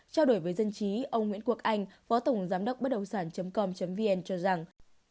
trao đổi với dân trí ông nguyễn quốc anh phó tổng giám đốc bất động sản com vn cho rằng